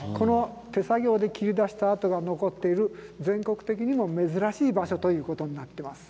手作業で切り出した跡が残っている全国的にも珍しい場所ということになっています。